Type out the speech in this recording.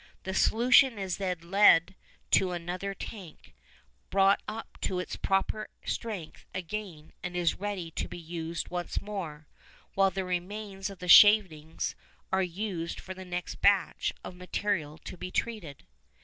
The solution is then led to another tank, brought up to its proper strength again and is ready to be used once more, while the remains of the shavings are used for the next batch of material to be treated.